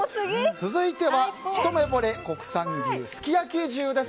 続いてはひとめぼれ国産牛すき焼き重です。